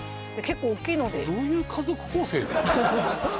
結構おっきいのでどういう家族構成なの？